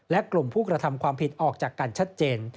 และกลุ่มผู้กระทำความผิดออกจากกันชัดเจน